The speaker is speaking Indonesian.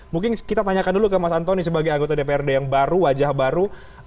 mungkin kita tanyakan dulu ke mas antoni sebagai anggota dprd yang baru wajah baru